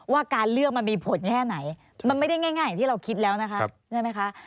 ว่าการเลือกมันมีผลแค่ไหนมันไม่ได้ง่ายอย่างที่เราคิดแล้วนะคะใช่ไหมคะ